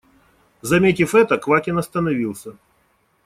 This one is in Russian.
Заметив это, Квакин остановился.